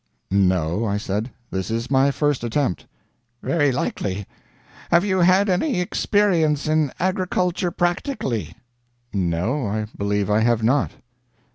"No," I said; "this is my first attempt." "Very likely. Have you had any experience in agriculture practically?" "No; I believe I have not."